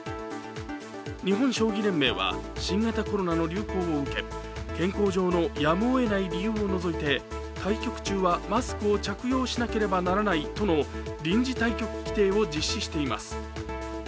日本将棋連盟は新型コロナの流行を受け健康上のやむをえない理由を除いて、対局中はマスクを着用しなければならないとの臨時対局規定を実施しています。